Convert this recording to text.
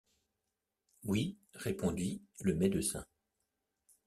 Oui, répondit le médecin.